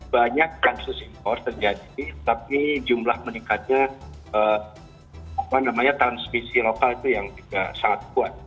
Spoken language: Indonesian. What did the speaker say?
banyak kasus impor terjadi tapi jumlah meningkatnya transmisi lokal itu yang juga sangat kuat